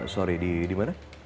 sorry di di mana